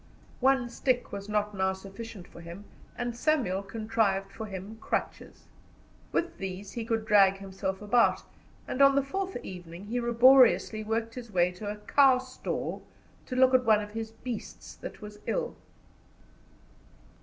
One stick was not now sufficient for him, and Samuel contrived for him crutches. With these he could drag himself about, and on the fourth evening he laboriously worked his way to a cowstall to look at one of his beasts that was ill.